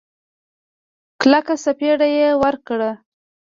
کلکه سپېړه يې ورکړه.